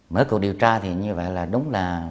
mới cầu điều tra thì như vậy là đúng là